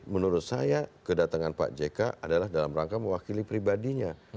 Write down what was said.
menurut saya kedatangan pak jk adalah dalam rangka mewakili pribadinya